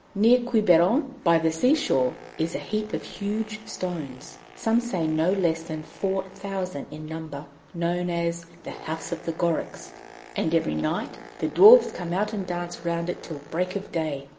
Near Quiberon, by the sea shore, is a heap of huge stones, some say no less than four thousand in number, known as 'The House of the Gorics,' and every night the Dwarfs come out and dance round it till break of day.